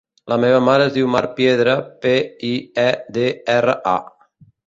La meva mare es diu Mar Piedra: pe, i, e, de, erra, a.